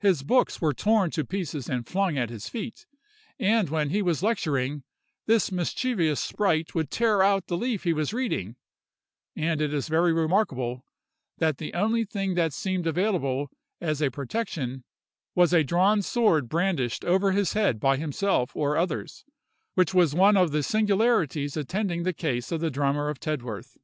His books were torn to pieces and flung at his feet; and when he was lecturing, this mischievous sprite would tear out the leaf he was reading; and it is very remarkable, that the only thing that seemed available as a protection, was a drawn sword brandished over his head by himself or others, which was one of the singularities attending the case of the drummer of Tedworth.